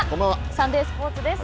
サンデースポーツです。